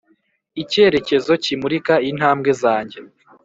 icyerekezo kimurika intambwe zanjye